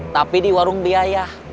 tapi di warung biayah